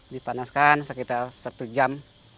dipanaskan sekitar satu jam